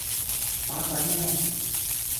把鬼咩